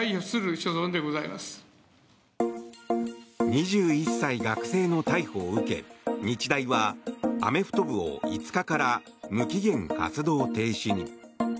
２１歳学生の逮捕を受け日大はアメフト部を５日から無期限活動停止に。